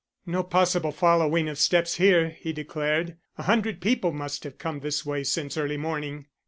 "No possible following of steps here," he declared. "A hundred people must have come this way since early morning."